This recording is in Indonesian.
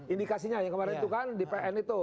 indikasinya yang kemarin itu kan di pn itu